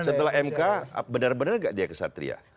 setelah mk benar benar gak dia kesatria